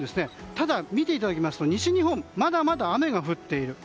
ただ、見ていただきますと西日本まだまだ雨が降っている。